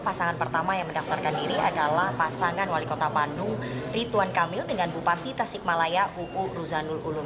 pasangan pertama yang mendaftarkan diri adalah pasangan wali kota bandung ridwan kamil dengan bupati tasikmalaya uu ruzanul ulum